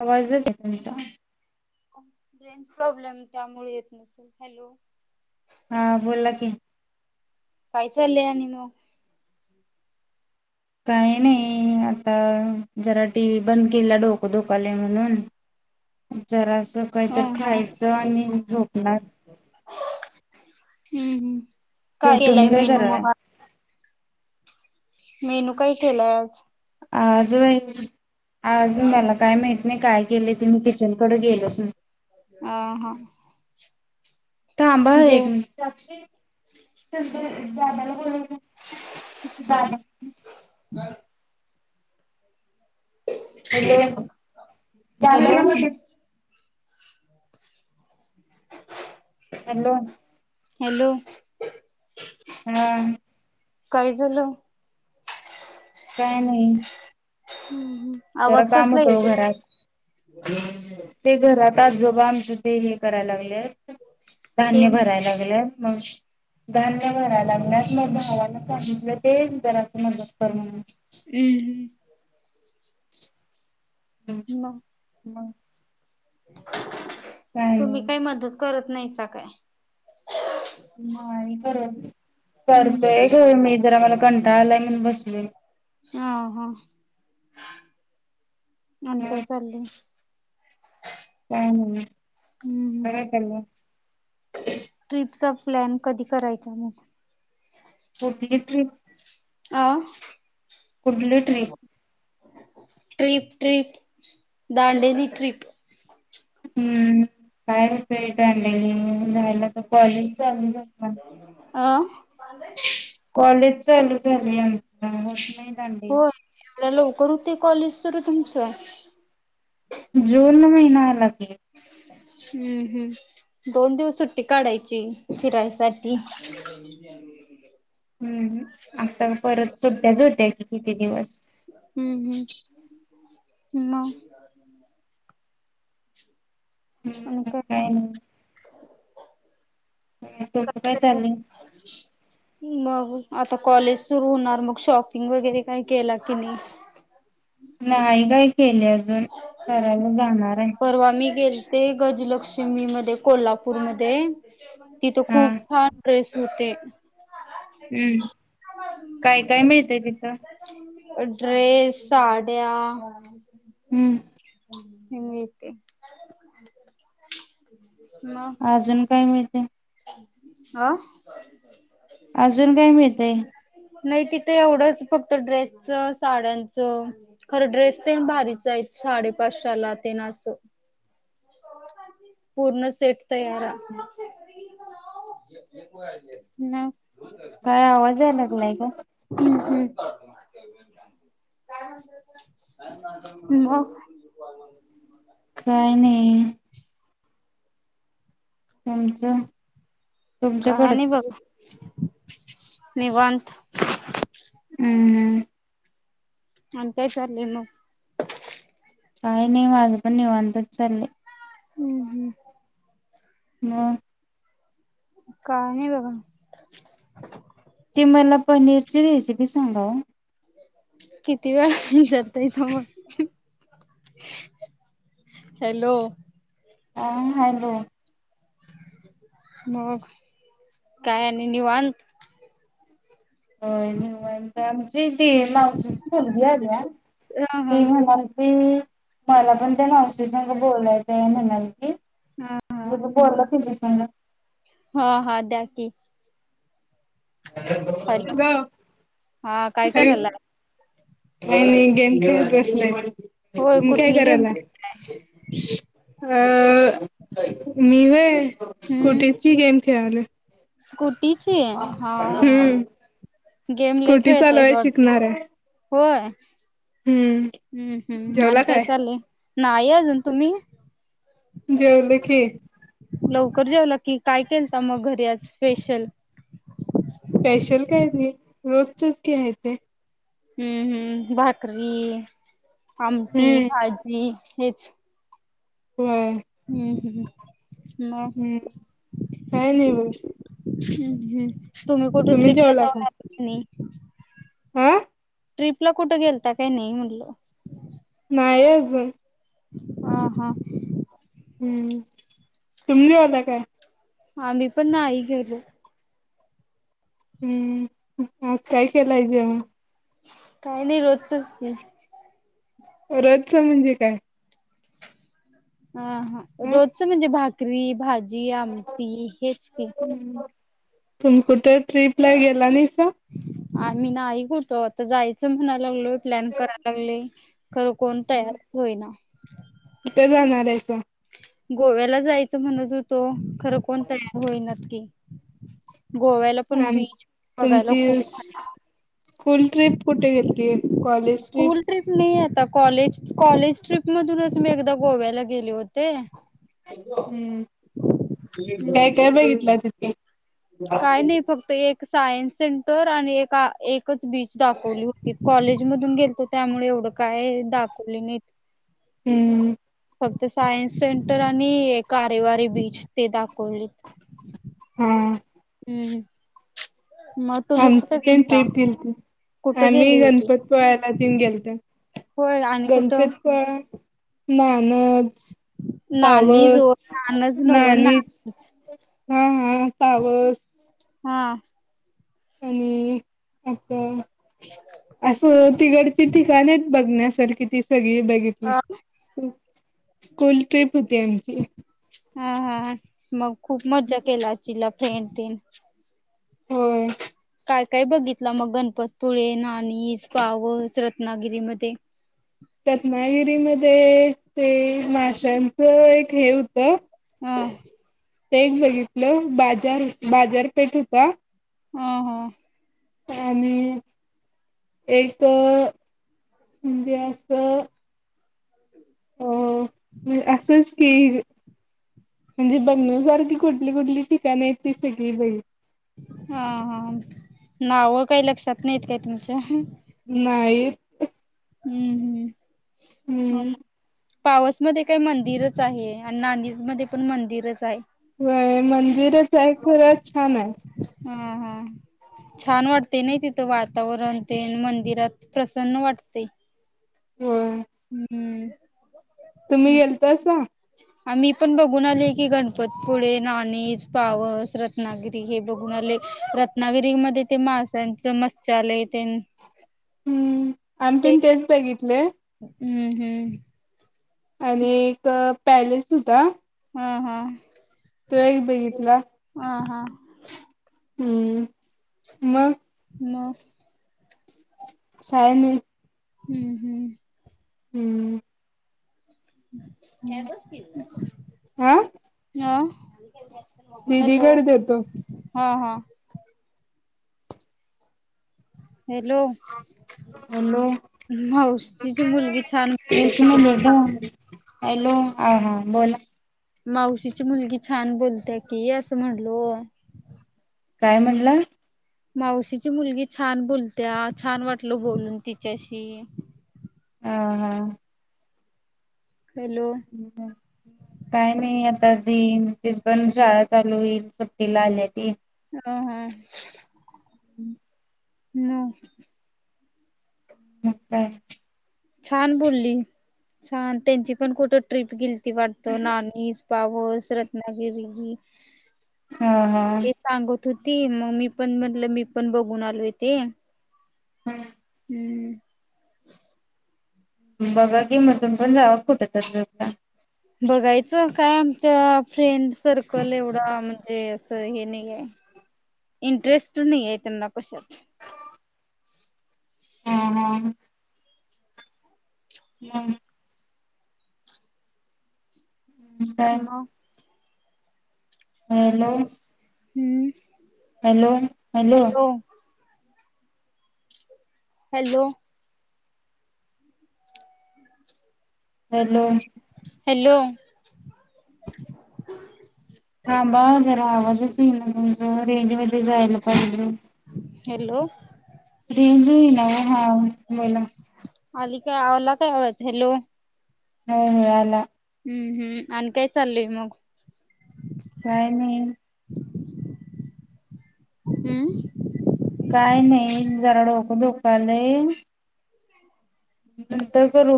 आवाजचं येत नाही का? नेट प्रॉब्लेम त्यामुळे येत नसेल, हॅलो. हा बोला की. काय चाललय आणि म? काही नाही आता जरा टीव्ही बंद केला डोकं दुखायलाय म्हणून जरास ह सकाळचं हा खायचं आणि झोप नाय हुं हुं. काय केला तुम्ही मेनू करालाय बाबा मेनू काय केलाय आज? आज व्हय आज मला काय माहित नाही काय गेले ते मी किचनकडे गेलच नाय. आ हा. थांबा जेव एक मिनिट. हॅलो [unintelligible] हॅलो हॅलो हां. काय झालं? ह [inaudible] हम्म. जरा काम होतो घरात. ते घरात आजोबा आमचे ते हे करायला लागल्यात हे धान्य भराय लागल्यात. मग धान्य भराय लागल्यात मग भावाला सांगितलं ते जरा असं मदत कर म्हणून अं हम्म. हम्म मग म [unintelligible] तुम्ही काय मदत करत नाहीसा काय? नाही करत हम्म करतोय ग मी. जरा मला कंटाळा आलाय म्हणून बसलोय. हा हा. आणि काय मग चाललय. काय? हम्म ट्रिपचा प्लॅन कधी करायचा मग? कोणती ट्रीप? आ. कुठली trip? Trip trip Dandeli trip. हम्म का. तर कॉलेज चालु झालं अ कॉलेज. चालू झालंया आज. बघोष नाही दांडेली. होय एवढ्या लवकर होते कॉलेज तर जुन महिना. महिना आला की हम्म हम्म दोन दिवस सुट्टी काढायची फिरायसाठी हम्म आता परत सुट्ट्या च होत्या की किती दिवस. हम्म हम्म मग आणी काय मग? तुझं काय चाललंय. मग आता कॉलेज सुरू होणार मग शॉपिंग वगैरे काही केला की नाही. नाही काय. केले अजून करायला जाणाराय. लक्षिमी मध्ये कोल्हापूरमध्ये तिथ हा खूप छान ड्रेस. होतेे. हम्म काय काय मिळतय ते. [unintelligible] ड्रेस, साड्या हम्म. [unintelligible] अजून काय मिळतय. आा. अजून काय मिळतय नाही तिथं एवढंच फक्त ड्रेसच साड्यांचं खरं ड्रेस ते भारीच आहे साडे पाचशाला ते ना अस पूर्ण सेट तयार. नाही. नाही का? म- काय नाही- कनच? आणी बघ. निवांत. हमम. आणि काय चाललंय मग? काही नाही, माझं पण निवांतच चाललंय. हम्म हम्म. हा. काय नाही बघा. ती मला पनीरची रेसिपी सांगा ओ. किती वेळा [unintelligible] इथ मग- हॅलो- हा हॅलो. मग? काय आणि निवांत? होय निवांत आणि - [unintelligible] ती म्हणाली ह हा की मी - मला पण त्या मावतीससंग बोलायचंय म्हणाली. हा हा मंग बोलला तिच्या- [unintelligible] हा हा द्या की. हॅलो ग हा काय [unintelligible] करायलाय मी गेम खेळतेय. होय [unintelligible] काय कुठली गेम करायला? खेळताय? अ -मी व्हय स्कुटीची गेम- खेळायले. स्कूट- तीची? हा हा गेम लई स्कूटी खेळते चालवाय बघ- शिकणार आहे होय. हम्म हम्म हम्म आणि काय चालल? य नाही अजून तुम्ही? जेवले की. लवकर जेवला की, काय केलता मग घरी आज स्पेशल? रोजचीच की हाय ते. हम्म हम्म भाकरी- आमटी हम्म भाजी. हेच. होय हम्म हम्म. [unintelligible] मग हम्म काय नाही बाई. हम्म हम्म. तुम्ही कुठे ट्रिपला जेवला का जाऊन आले की नाही. हा ट्रिपला कुठं गेलत्या का नाही म्हणल. नाय आजुन. हा हा. हम्म. तुम्ही [unintelligible] काय. आम्ही पण नाही गेलो. हम्म. आज काय केलंय जेव काही नाही रोजच ते. रोजच म्हणजे काय हा हा ह रोजच म्हणजे भात क्री भाज जी आमटी हेच की. तुम्ही कुठ ट्रिप ला गेला नाही. [unintelligible] आम्ही नाही कुठं आता जायचं म्हणा लागलो प्लॅन करालागले खरं कोण तयार होईना. कुठे [unintelligible] गोव्याला जायच म्हणत होतो. खरं कोण तयार होईनात. [unintelligible] गोव्याला पण आम बीच बघायला तुमची खूप भारी [unintelligible] स्कूल ट्रिप कुठे गेलती कॉलेज ट्रिप. स्कूल नाही आता कॉलेज कॉलेज ट्रिप मधूनच मी एकदा गोव्याला गेले होते. [unintelligible] हम्म. काय काय बघितलं ति [unintelligible] काय नाही फक्त एक सायन्स सेंटर आणि एका एक [unintelligible] बीच दाखवली होती कॉलेज मधून गेलतो त्यामुळे एवढं काय दाखवले नाही. हम्म. फक्त सायन्स सेंटर आणि कारेवारी बीच ते दाखवली. हम. हम्म. मग तुम्ही आमची कुठे पण गेलता? ट्रिप गेलती, कुठे आम्ही गेली होती? गणपतपुळ्याला तेन गेलतो. होय आणि कुठं. नाना. नानी पावस, जो नानच नव्ह नानीच, हा हा. पावस. हा. आणि [unintelligible] असं तिकडची ठिकाणएत बघण्यास तर कितीस सगळे बघितले, हा स्कूल ट्रिप होती आम [unintelligible] हा हा, मग. खूप मजा केला असचिला. हे अन तेन. होय. काय काय बघितलं मग गणपतपुळे, नाणीस, पावस, रत्नागिरीमध्ये. रत्नागिरीमध्ये ते माशांचं एक हे होतं. हां. ते एक बघितलं बाजार बाजारपेठ होता. हं हं. आणि एक म्हणजे अस. अ म्हणजे असंच की. म्हणजे बघण्या सारखी कुठली कुठली ठिकाण आहेत ती सगळी बघितली. हा हा नावं काही लक्षात नाहीत काय तुमच्या. नाहीत. हम्म हम्म. हम. पावसमध्ये काय मंदिरच आहे आणि नाणीज मध्ये पण मंदिरच आहे. व्हय मंदिरच आहे खरंच छान आहे. हा हा छान वाटतय नाही तिथं वा वातावरण ते मंदिरात प्रसन्न वाटतय. ते. होय हम्म. तुम्ही गेलतासा. आम्ही पण बघून आलोय की गणपतपुळे, नाणीज, पावस, रत्नागिरी हे बघून आलेय रत्नागिरीमध्ये ते माशांचं मत्स्यआलय तेन हम्म आम्ही पण तेच बघितलय. हुं हुं आणि एक पॅलेस हुता हा हा तो एक बघितला. हा हम्म मग म काय म हुं हुं हुं [inaudible] नाय बसतील ना [unintelligible] [unintelligible] दिदी कड देतो. हा हॅलो हॅलो माऊशीची मुलगी छान म्हणते एक की तुम मिनिट हं हॅलो हाय हा बोला मावशीची मुलगी छान बोलत्या की असं म्हणलोय. काय म्हणला मावशीची मुलगी छान बोलत्या. छान वाटल बोलून तिच्याशी हा हा हॅलो ह काही नाही आ ता देईन तीच पण शाळा चालू होईल सुट्टीला आल्या ती हं हं [inaudible] न मक काय छान बोलली. छान त्यांची पण कुठं ट्रिप गेल ती वाटतं नानीज पाऊस रत्नागिरीगि हा हा होती म मी पण म्हणलं मी पण बघून आलोय तेे हम् हम्म बघा की म तुमी पण जावा कुठं तरी [unintelligible] बघायचं काय आम चा फ्रेंन्ड सर्कल एवढा म्हणजे अस हे नाहीये इंटरेस्ट नाहीये त्यांना कशात हा हा मं काय मग हॅलो! हम्म. Hello! Hello! Hello! Hello! Hello. थांबा हं जरा आवाजच येईना झालंय, रेंजमध्ये जायला पाहिजेल. हॅलो. रेंज येई ना ओ, हां बोला. अली काय? आला काय आवाज? हॅलो! हो हो आला. हम्म! हम् आणि काय चाललंय मग? काय नाही. हम्म! काय नाही जरा डोकं दुकालय नंतर करू